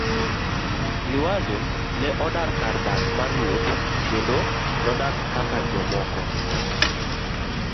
Liwazo ne odar kar dak mar ruoth kendo nodak kaka jomoko.